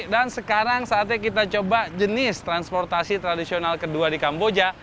dan sekarang saatnya kita coba jenis transportasi tradisional kedua di kamboja